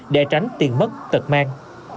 để tránh tiền mất tật mang